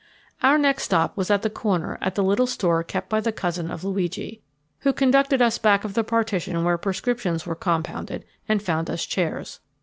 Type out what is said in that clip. Our next stop was at the corner at the little store kept by the cousin of Luigi, who conducted us back of the partition where prescriptions were compounded, and found us chairs.